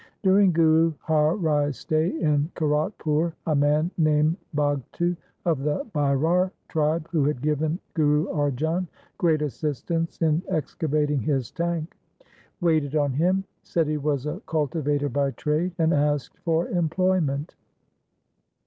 ' During Guru Har Rai's stay in Kiratpur a man named Bhagtu of the Bairar tribe, who had given Guru Arjan great assistance in excavating his tank, waited on him, said he was a cultivator by trade, and asked for employment.